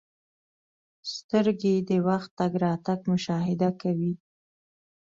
• سترګې د وخت تګ راتګ مشاهده کوي.